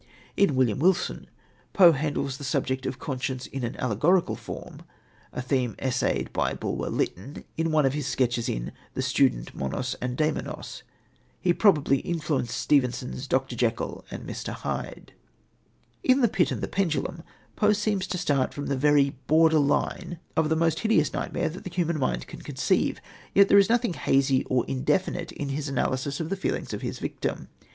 In William Wilson, Poe handles the subject of conscience in an allegorical form, a theme essayed by Bulwer Lytton in one of his sketches in The Student, Monos and Daimonos. He probably influenced Stevenson's Dr. Jekyll and Mr. Hyde. In The Pit and the Pendulum, Poe seems to start from the very border line of the most hideous nightmare that the human mind can conceive, yet there is nothing hazy or indefinite in his analysis of the feelings of his victim.